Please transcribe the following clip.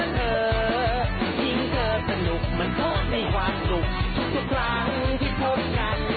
เธอยิ้มเธอยิ้มเข้านั้นมันทำให้